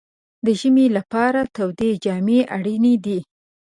د ژمي لپاره تودې جامې اړینې دي.